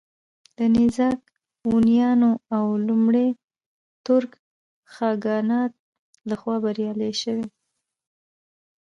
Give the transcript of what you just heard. د نېزاک هونيانو او لومړي تورک خاگانات له خوا بريالي شوي